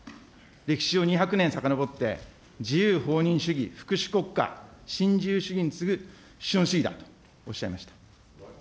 歴史を２００年さかのぼって、自由放任主義、福祉国家、新自由主義に続く資本主義だとおっしゃいました。